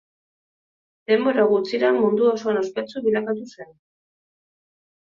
Denbora gutxira mundu osoan ospetsu bilakatu zen.